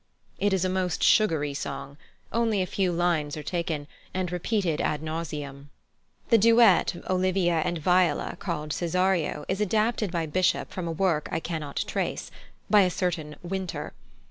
It is a most sugary song; only a few lines are taken, and repeated ad nauseam. The duet Olivia and Viola, called "Cesario," is adapted by Bishop from a work I cannot trace (by a certain Winter).